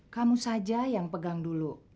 kamu saja yang pegang dulu